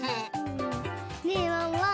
ねえワンワン